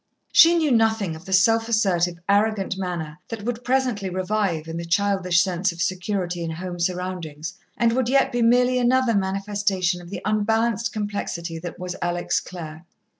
She knew nothing of the self assertive, arrogant manner that would presently revive, in the childish sense of security in home surroundings, and would yet be merely another manifestation of the unbalanced complexity that was Alex Clare.